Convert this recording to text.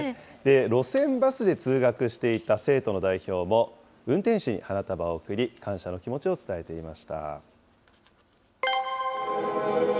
路線バスで通学していた生徒の代表も、運転手に花束を贈り、感謝の気持ちを伝えていました。